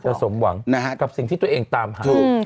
จะสมหวังกับสิ่งที่ตัวเองตามหา